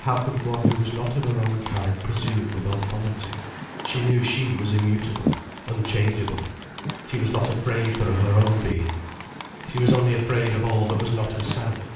How could one who was not of her own kind presume with authority? She knew she was immutable, unchangeable, she was not afraid for her own being. She was only afraid of all that was not herself.